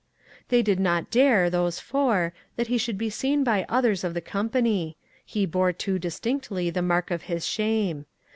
They did not dare, those four, that he should be seen by others of the company ; he bore too distinctly the mark of his shame.